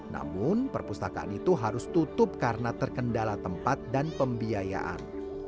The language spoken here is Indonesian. namun perpustakaan itu harus tutup karena terkendala tempat dan pembiayaan